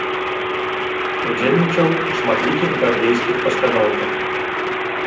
Удзельнічаў у шматлікіх брадвейскіх пастаноўках.